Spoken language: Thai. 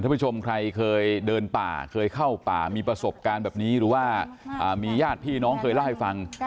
ผู้ชมใครเคยเดินป่าเคยเข้าป่ามีประสบการณ์แบบนี้หรือว่ามีญาติพี่น้องเคยเล่าให้ฟัง